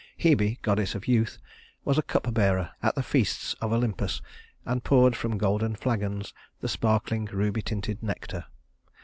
Hebe, goddess of youth, was cupbearer at the feasts of Olympus and poured from golden flagons the sparkling, ruby tinted nectar.